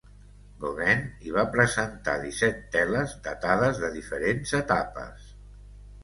Gauguin hi va presentar disset teles, datades de diferents etapes.